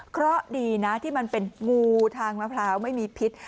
เพราะดีนะที่มันเป็นงูทางมะพร้าวไม่มีพิษ